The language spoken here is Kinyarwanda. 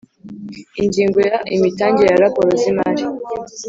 Ingingo ya Imitangire ya raporo z imari